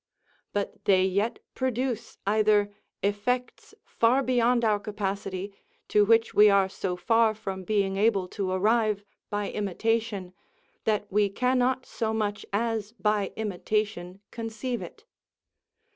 But they yet produce either effects far beyond our capacity, to which we are so far from being able to arrive by imitation that we cannot so much as by imitation conceive it.